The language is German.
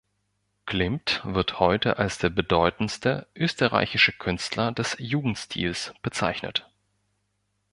Klimt wird heute als der bedeutendste österreichische Künstler des Jugendstils bezeichnet.